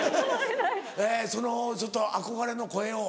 そのちょっと憧れの声を。